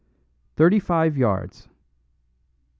"Thirty five yards." ...